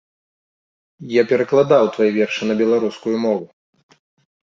Я перакладаў твае вершы на беларускую мову!